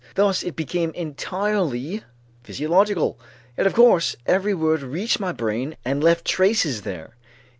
Thus it became entirely physiological. Yet of course every word reached my brain and left traces there.